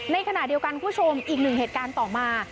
ในขณะเดียวกันคุณผู้ชมอีกหนึ่งเหตุการณ์ต่อมา